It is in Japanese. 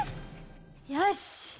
よし！